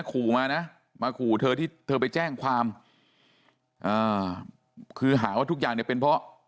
ขู่มานะมาขู่เธอที่เธอไปแจ้งความอ่าคือหาว่าทุกอย่างเนี่ยเป็นเพราะ